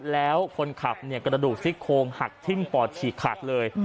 แล้วคนขับกระดูกซิกโคมหักทิ้มปอดฉีกขาดเลย